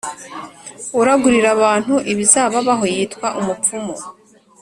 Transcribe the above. uragurira abantu ibizababaho yitwa umupfumu